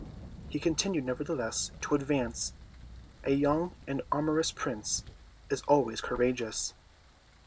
He continued, nevertheless, to advance; a young and amorous prince is always courageous.